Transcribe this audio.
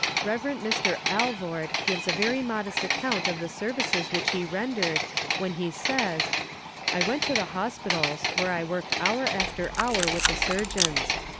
Rev. Mr. Alvord gives a very modest account of the services which he rendered, when he says: "I went to the hospitals, where I worked hour after hour with the surgeons.